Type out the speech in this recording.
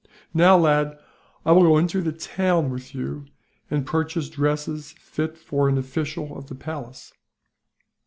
"Now, lad, I will go into the town with you, and purchase dresses fit for an official of the palace."